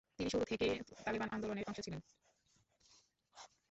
তিনি শুরু থেকেই তালেবান আন্দোলনের অংশ ছিলেন।